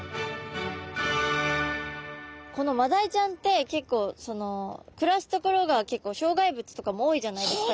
このマダイちゃんって結構暮らす所が障害物とかも多いじゃないですか。